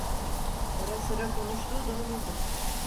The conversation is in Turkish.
Ara sıra konuştuğu da olurdu.